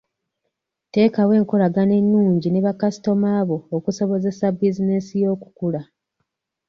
Teekawo enkolagana ennungi ne bakasitoma bo okusobozesa bizinensi yo okukula.